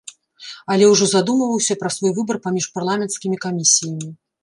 Але ўжо задумваўся пра свой выбар паміж парламенцкімі камісіямі.